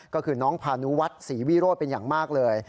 ก็คือน้องพานุวัฒน์ศรีวิโรธเป็นอย่างมากเลย